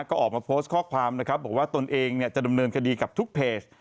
ก็ออกมาโพสต์ข้อความนะครับบอกว่าตนเองจะดำเนินคดีกับทุกเพจ